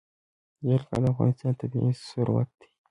جلګه د افغانستان طبعي ثروت دی.